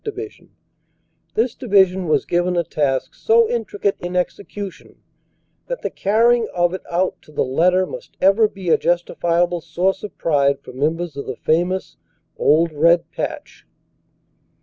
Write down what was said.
Division, this Division was given a task so intricate in execution that the carrying of it out to the letter must ever be a justifiable source of pride for members of the famous "Old Red Patch."